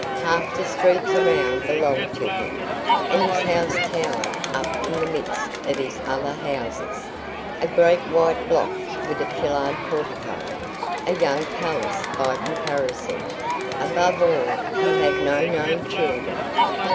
Half the streets around belonged to him, and his house towered up in the midst of his other houses, a great white block, with a pillared portico a young palace by comparison. Above all, he had no known children.